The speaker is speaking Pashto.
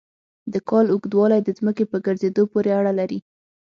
د کال اوږدوالی د ځمکې په ګرځېدو پورې اړه لري.